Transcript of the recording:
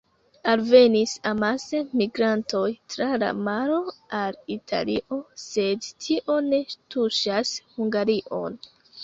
Alvenis amase migrantoj tra la maro al Italio, sed tio ne tuŝas Hungarion.